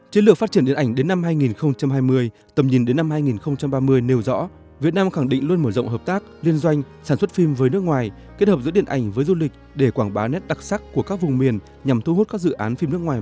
chiến lược phát triển điện ảnh đến năm hai nghìn hai mươi tầm nhìn đến năm hai nghìn ba mươi nêu rõ việt nam khẳng định luôn mở rộng hợp tác liên doanh sản xuất phim với nước ngoài kết hợp giữa điện ảnh với du lịch để quảng bá nét đặc sắc của các vùng miền nhằm thu hút các dự án phim nước ngoài